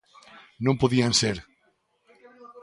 Non podían ser.